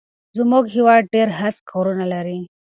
زموږ هيواد ډېر هسک غرونه لري